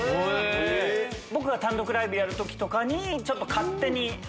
僕が単独ライブやる時とかに勝手に。